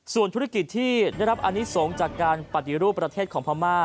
ส่วนธุรกิจที่ได้รับอนิสงฆ์จากการปฏิรูปประเทศของพม่า